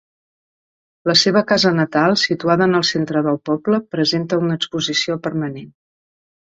La seva casa natal, situada en el centre del poble, presenta una exposició permanent.